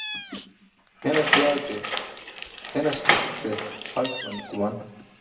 Henas baa ke henaskuṣ ce halc̣ guman.